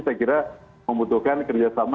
saya kira membutuhkan kerjasama